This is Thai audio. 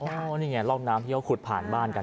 นี่ไงร่องน้ำที่เขาขุดผ่านบ้านกัน